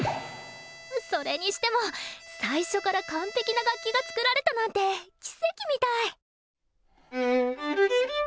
それにしても最初から完璧な楽器が作られたなんて奇跡みたい！